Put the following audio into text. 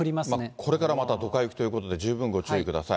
これからまたどか雪ということで十分ご注意ください。